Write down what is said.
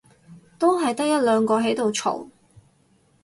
都係得一兩個喺度嘈